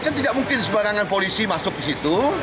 kan tidak mungkin sebarangan polisi masuk ke situ